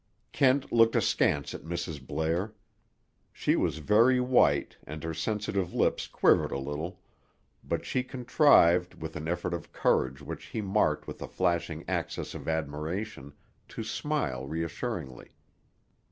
_" Kent looked askance at Mrs. Blair. She was very white, and her sensitive lips quivered a little, but she contrived, with an effort of courage which he marked with a flashing access of admiration, to smile reassuringly.